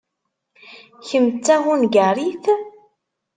Kemm d tahungarit?